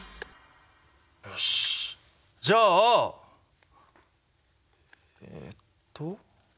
よしじゃあえっと。